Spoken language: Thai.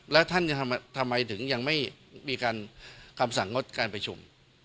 แล้วท่านจะทำไมถึงยังไม่มีการคำสั่งงดการประชุม